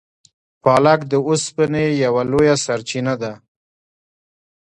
پالک د اوسپنې یوه لویه سرچینه ده.